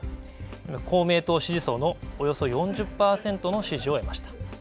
公明党支持層のおよそ４０％の支持を得ました。